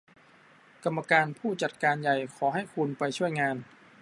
กรรมการผู้จัดการใหญ่ขอให้คุณไปช่วยงาน